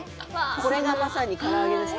これが、まさにから揚げですか？